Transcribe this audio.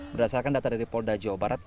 berdasarkan data dari polda jawa barat